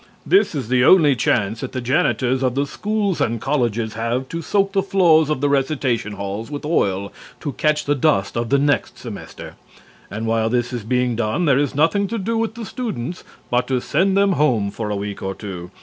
This is the only chance that the janitors of the schools and colleges have to soak the floors of the recitation halls with oil to catch the dust of the next semester, and while this is being done there is nothing to do with the students but to send them home for a week or two.